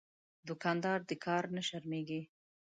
دوکاندار د کار نه شرمېږي.